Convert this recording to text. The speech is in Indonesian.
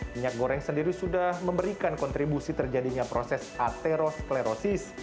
minyak goreng sendiri sudah memberikan kontribusi terjadinya proses atherosklerosis